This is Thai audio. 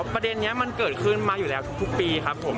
ประเด็นนี้มันเกิดขึ้นมาอยู่แล้วทุกปีครับผม